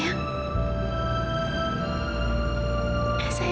makanya kava tidak boleh sakit ya sayang